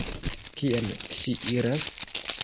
Kien ŝi iras?